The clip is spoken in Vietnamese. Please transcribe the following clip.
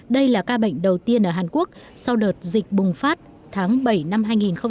đây là ca bệnh đầu tiên ở hàn quốc sau đợt dịch bùng phát tháng bảy năm hai nghìn hai mươi